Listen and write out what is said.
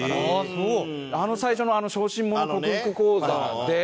あの最初の「小心者克服講座」で。